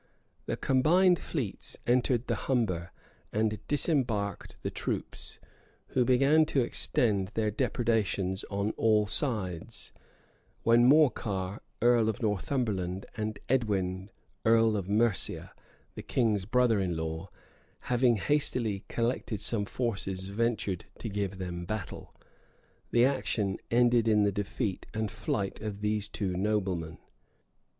The combined fleets entered the Humber, and disembarked the troops, who began to extend their depredations on all sides; when Morcar, earl of Northumberland, and Edwin, earl of Mercia, the king's brother in law, having hastily collected some forces, ventured to give them battle. The action ended in the defeat and flight of these two noblemen.